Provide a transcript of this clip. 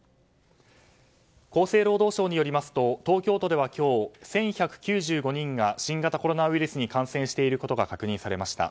厚生労働省によりますと東京都では今日１１９５人が新型コロナウイルスに感染していることが確認されました。